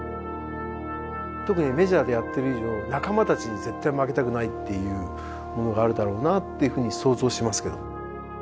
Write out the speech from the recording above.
特にメジャーでやってる以上仲間たちに絶対負けたくないっていうものがあるだろうなっていう風に想像しますけど。